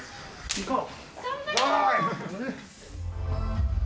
行こう！